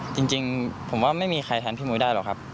จริงผมว่าไม่มีใครแทนพี่มุ้ยได้หรอกครับ